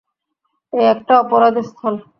এটা একটা অপরাধস্থল।